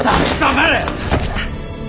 黙れ。